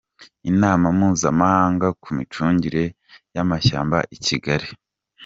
Inama mpuzamahanga ku micungire y’amashyamba i Kigali